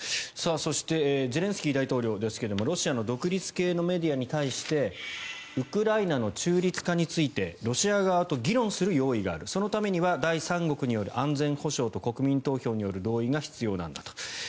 そしてゼレンスキー大統領ですがロシアの独立系のメディアに対してウクライナの中立化についてロシア側と議論する用意があるそのためには第三国による安全保障と国民投票による同意が必要なんだと。